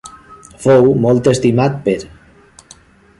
Fou molt estimat per.